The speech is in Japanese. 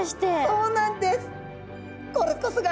そうなんです。